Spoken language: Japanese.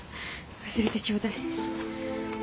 忘れてちょうだい。